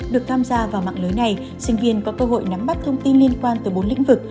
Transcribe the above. được tham gia vào mạng lưới này sinh viên có cơ hội nắm bắt thông tin liên quan tới bốn lĩnh vực